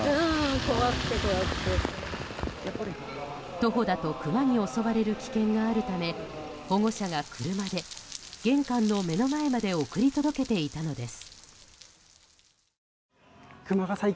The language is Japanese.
徒歩だとクマに襲われる危険があるため保護者が車で玄関の目の前まで送り届けていたのです。